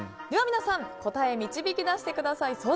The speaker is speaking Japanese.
では、皆さん答えを導き出してください。